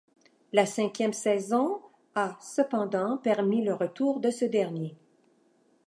La cinquième saison a, cependant, permis le retour de ce dernier.